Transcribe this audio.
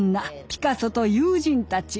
「ピカソと友人たち」